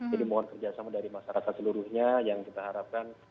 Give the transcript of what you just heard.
jadi mohon kerjasama dari masyarakat seluruhnya yang kita harapkan